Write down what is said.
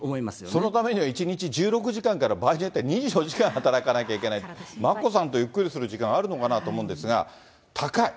そのためには、１日１６時間から、場合によっては２４時間働かなければいけない、眞子さんとゆっくりする時間あるのかなと思うんですが、高い。